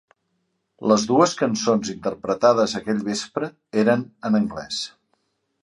Les dues cançons interpretades aquell vespre eren en anglès.